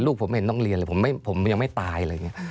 ลูกผมไม่เห็นต้องเรียนเลยผมยังไม่ตายเลย